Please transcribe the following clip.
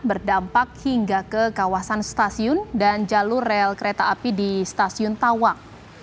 berdampak hingga ke kawasan stasiun dan jalur rel kereta api di stasiun tawang